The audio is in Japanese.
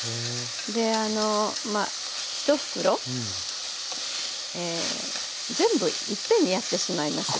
であの一袋全部いっぺんにやってしまいます